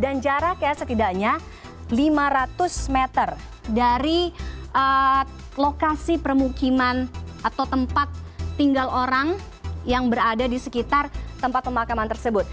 dan jaraknya setidaknya lima ratus meter dari lokasi permukiman atau tempat tinggal orang yang berada di sekitar tempat pemakaman tersebut